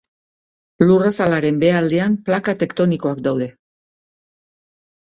Lurrazalaren behealdean plaka tektonikoak daude.